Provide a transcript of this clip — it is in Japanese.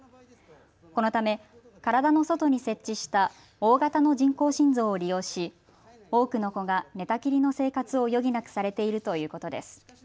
このため、体の外に設置した大型の人工心臓を利用し多くの子が寝たきりの生活を余儀なくされているということです。